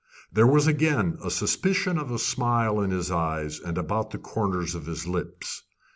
There was again a suspicion of a smile in his eyes and about the corners of his lips.